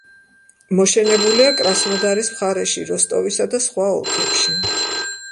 მოშენებულია კრასნოდარის მხარეში, როსტოვისა და სხვა ოლქებში.